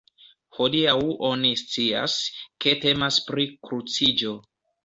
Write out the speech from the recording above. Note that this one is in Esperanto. Hodiaŭ oni scias, ke temas pri kruciĝo.